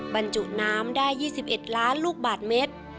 บรรจุน้ำได้๒๑ล้านลูกบาทเมตร